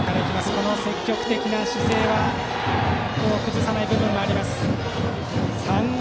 この積極的な姿勢は崩さない部分があります。